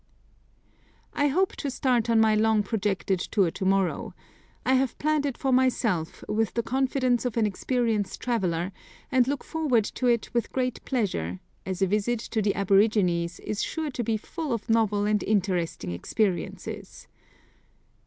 I hope to start on my long projected tour to morrow; I have planned it for myself with the confidence of an experienced traveller, and look forward to it with great pleasure, as a visit to the aborigines is sure to be full of novel and interesting experiences.